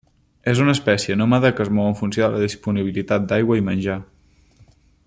És una espècie nòmada que es mou en funció de la disponibilitat d'aigua i menjar.